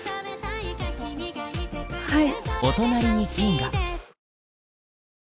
はい。